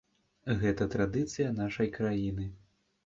Гэта традыцыя нашай краіны.